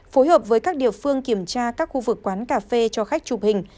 phối hợp với các địa phương kiểm tra các khu vực quán cà phê cho khách chụp hình